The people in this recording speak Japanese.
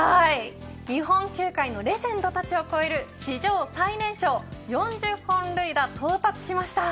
日本球界のレジェンドたちを超える史上最年少４０本塁打到達しました。